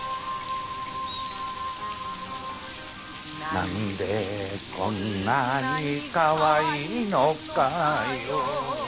なんでこんなに可愛いのかよ